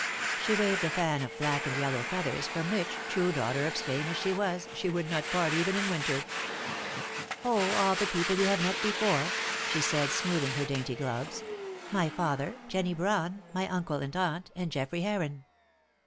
She waved a fan of black and yellow feathers from which, true daughter of Spain as she was, she would not part even in winter. "Oh, all the people you have met here before," she said, smoothing her dainty gloves. "My father, Jennie Brawn, my uncle and aunt, and Geoffrey Heron."